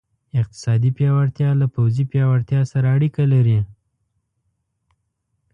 اقتصادي پیاوړتیا له پوځي پیاوړتیا سره اړیکه لري.